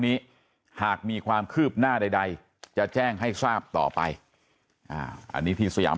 นี้หากมีความคืบหน้าใดจะแจ้งให้ทราบต่อไปอันนี้ที่สยาม